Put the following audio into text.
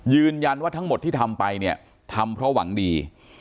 ยืนยันว่าทั้งหมดที่ทำไปเนี่ยทำเพราะหวังดี